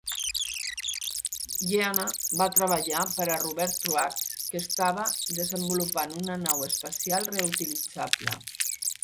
Jeana va treballar per a Robert Truax, que estava desenvolupant una nau espacial reutilitzable.